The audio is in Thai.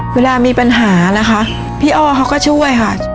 เวลามีปัญหานะคะพี่อ้อเขาก็ช่วยค่ะ